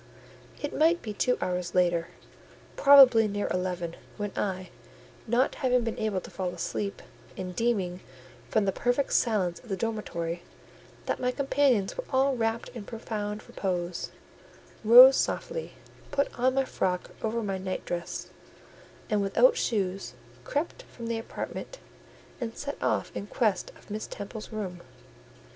It might be two hours later, probably near eleven, when I—not having been able to fall asleep, and deeming, from the perfect silence of the dormitory, that my companions were all wrapt in profound repose—rose softly, put on my frock over my night dress, and, without shoes, crept from the apartment, and set off in quest of Miss Temple's room.